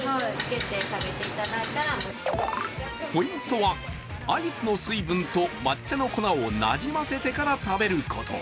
ポイントはアイスの水分と抹茶の粉をなじませてから食べること。